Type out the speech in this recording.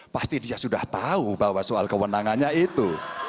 pasti dia sudah tahu bahwa soal kewenangannya itu